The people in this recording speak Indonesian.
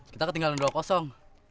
kita ketinggalan dua